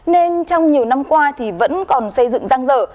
nên trong nhiều năm qua thì vẫn còn xây dựng răng rở